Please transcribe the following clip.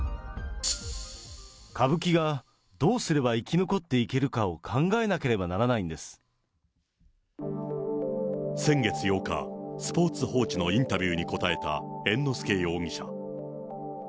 歌舞伎がどうすれば生き残っていけるかを考えなければならな先月８日、スポーツ報知のインタビューに答えた猿之助容疑者。